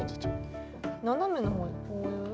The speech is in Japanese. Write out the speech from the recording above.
斜めの方にこういう？